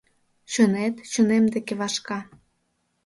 Чонет чонем деке вашка.